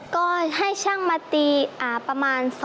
ก็ให้ช่างมาตีประมาณ๒๐๐๐๐บาทค่ะ